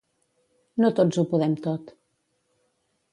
No tots ho podem tot.